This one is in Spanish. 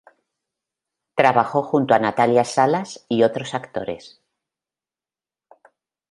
Trabajo junto a Natalia Salas y otros actores.